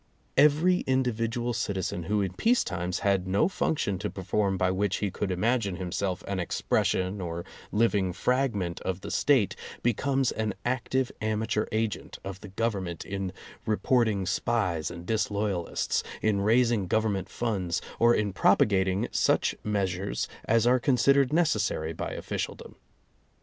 Every individual citizen who in peacetimes had no func tion to perform by which he could imagine himself an expression or living fragment of the State be comes an active amateur agent of the Government in reporting spies and disloyalists, in raising Gov ernment funds, or in propagating such measures as are considered necessary by officialdom.